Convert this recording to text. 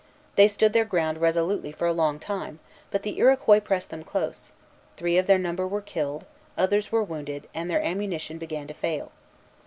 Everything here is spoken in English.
They stood their ground resolutely for a long time; but the Iroquois pressed them close, three of their number were killed, others were wounded, and their ammunition began to fail.